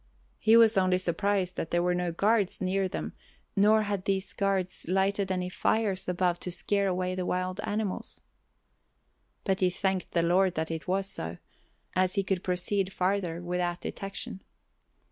He was only surprised that there were no guards near them nor had these guards lighted any fires above to scare away the wild animals. But he thanked the Lord that it was so, as he could proceed farther without detection.